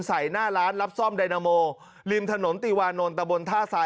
หน้าร้านรับซ่อมไดนาโมริมถนนตีวานนท์ตะบนท่าทราย